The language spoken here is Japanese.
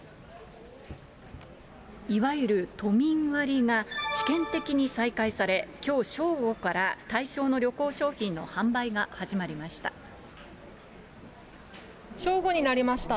いわゆる都民割が試験的に再開され、きょう正午から対象の旅行商品の販売が始まりました。